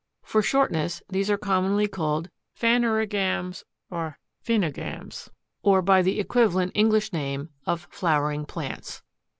For shortness, these are commonly called PHANEROGAMS, or Phænogams, or by the equivalent English name of FLOWERING PLANTS.